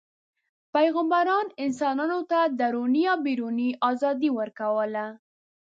پیغمبران انسانانو ته دروني او بیروني ازادي ورکوله.